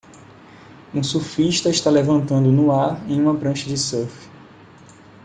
Um surfista está levantando no ar em uma prancha de surf.